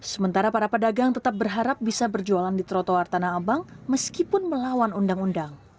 sementara para pedagang tetap berharap bisa berjualan di trotoar tanah abang meskipun melawan undang undang